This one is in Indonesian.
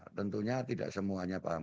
tentunya tidak semuanya paham